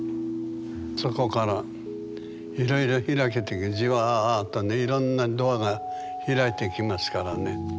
そこからいろいろひらけてじわっとねいろんなドアが開いていきますからね。